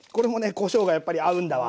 こしょうがやっぱり合うんだわ。